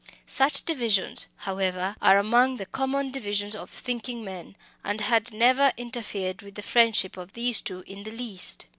Such divisions, however, are among the common divisions of thinking men, and had never interfered with the friendship of these two in the least.